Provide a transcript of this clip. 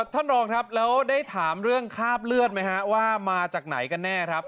ท่านรองครับแล้วได้ถามเรื่องคราบเลือดไหมฮะว่ามาจากไหนกันแน่ครับ